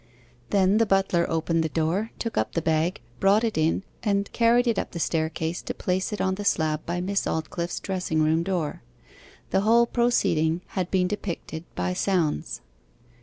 Then the butler opened the door, took up the bag, brought it in, and carried it up the staircase to place it on the slab by Miss Aldclyffe's dressing room door. The whole proceeding had been depicted by sounds.